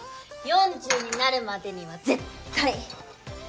４０になるまでには絶対。